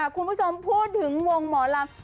คุณผู้ชมพูดถึงวงหมอลำ